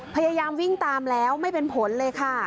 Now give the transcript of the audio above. พยายามวิ่งตามแล้วไม่เป็นผลเลยค่ะ